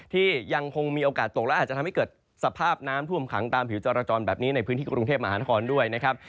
ที่ยังคงมีโอกาสตกและอาจจะทำให้เกิดสภาพน้ำท่วมขังตามผิวจรจรแบบนี้ในพื้นที่กรุงเทพมหานครด้วยนะครับ